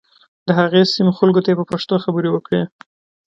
د هغې سیمې خلکو ته یې په پښتو خبرې وکړې.